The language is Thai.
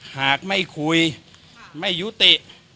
หากไม่คุยไม่ยุติ